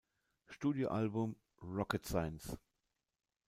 Studioalbum "Rocket science".